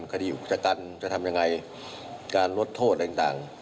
คดีกรุจกรรมจะทำอย่างไรการลดโทษอะไรต่าง